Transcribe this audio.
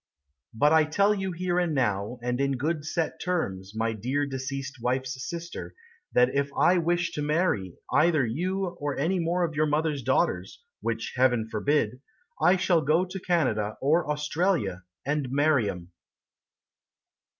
But I tell you here and now, And in good set terms, My dear deceased wife's sister, That if I wish to marry Either you or any more of your mother's daughters (Which Heaven forbid), I shall go to Canada or Australia And marry 'em.